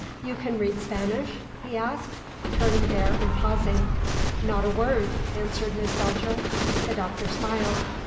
"You can read Spanish?" he asked, turning there and pausing. "Not a word", answered Miss Belcher. The Doctor smiled.